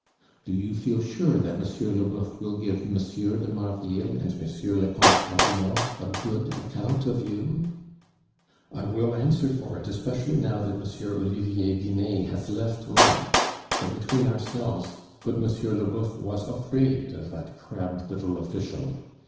"Do you feel sure that M. Leboeuf will give M. de Marville and M. le Comte Popinot a good account of you?" "I will answer for it, especially now that M. Olivier Vinet has left Mantes; for between ourselves, good M. Leboeuf was afraid of that crabbed little official.